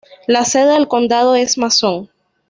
La sede del condado es Mason.